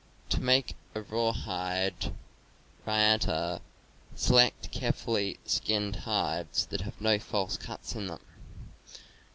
To make a rawhide riata: select carefully skinned hides that have no false cuts in them.